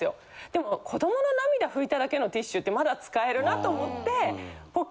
でも子どもの涙拭いただけのティッシュってまだ使えるなと思って。